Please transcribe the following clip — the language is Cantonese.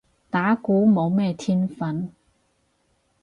打鼓冇咩天份